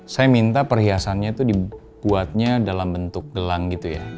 saya minta perhiasannya itu dibuatnya dalam bentuk gelang gitu ya